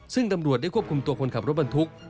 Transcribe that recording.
ซึ่งตำรวจได้ควบคุมตัวคนขับรถบรรทุก